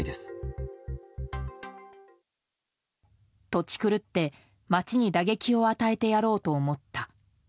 トチ狂って、町に打撃を与えてやろうと思った。